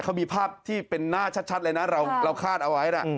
ทราบที่เป็นหน้าชัดเลยนะเราคาดเอาไว้แล้ว